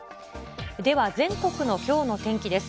では、全国のきょうの天気です。